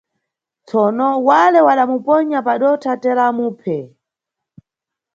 Tsono, wale wada muponya padotha teera wamuphe.